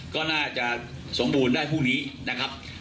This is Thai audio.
ก็น่าจะสมบูรณ์ได้พรุ่งนี้นะครับ